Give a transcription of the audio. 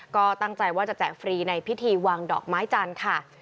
ก็ตั้งใจว่าจะแจกฟรีในพิธีวางดอกไม้จันทร์ค่ะ